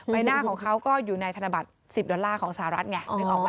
ในหน้าของเขาก็อยู่ในธนบัตร๑๐ดอลลาร์ของสหรัฐไง